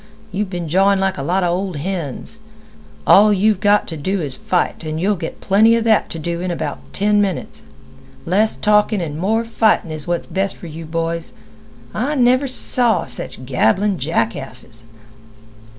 You've been jawin' like a lot 'a old hens. All you've got t' do is to fight, an' you'll get plenty 'a that t' do in about ten minutes. Less talkin' an' more fightin' is what's best for you boys. I never saw sech gabbling jackasses."